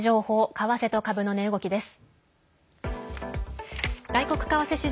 為替と株の値動きです。